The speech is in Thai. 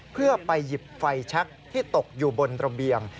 เพื่อไปหยิบไฟแชคที่ตกอยู่บนระเบียง